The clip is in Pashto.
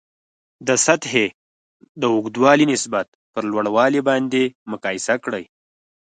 د سطحې د اوږدوالي نسبت پر لوړوالي باندې مقایسه کړئ.